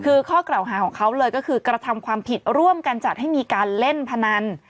คือข้อกล่าวหาของเขาเลยก็คือกระทำความผิดร่วมกันจัดให้มีการเล่นพนัน